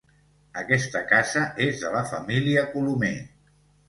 Aquesta casa és de la família Colomer.